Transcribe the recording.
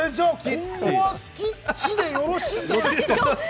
今後はスキッチでよろしいということですか？